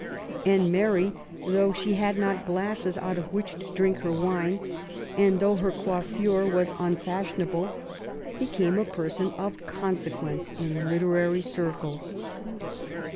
And Mary, though she had not glasses out of which to drink her wine, and though her coiflfure was un fashionable, became a person of consequence in literary circles.